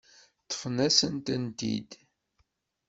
Ṭṭfen-asen-tent-id.